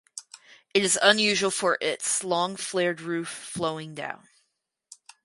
It is unusual for its "long flared roof flowing down".